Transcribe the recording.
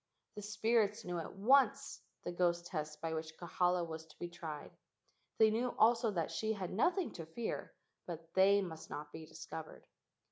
The spirits HAWAIIAN GHOST TESTING 91 knew at once the ghost test by which Kahala was to be tried. They knew also that she had nothing to fear, but they must not be discovered.